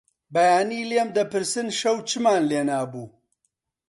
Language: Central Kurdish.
بەیانی لێم دەپرسن شەو چمان لێنابوو؟